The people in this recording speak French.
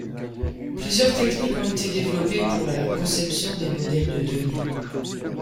Plusieurs techniques ont été développées pour la conception des modèles de données.